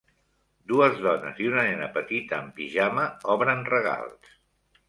Dues dones i una nena petita en pijama obren regals